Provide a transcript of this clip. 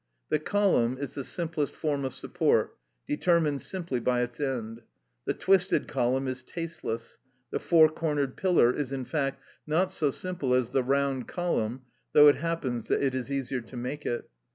The column is the simplest form of support, determined simply by its end: the twisted column is tasteless; the four cornered pillar is in fact not so simple as the round column, though it happens that it is easier to make it.